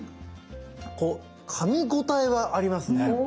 こうかみ応えはありますね。